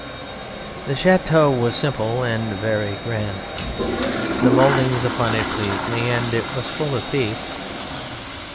"The château was simple and very grand. The mouldings upon it pleased me, and it was full of peace.